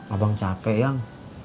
abang cakek yang